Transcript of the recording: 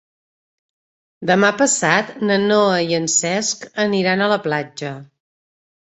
Demà passat na Noa i en Cesc aniran a la platja.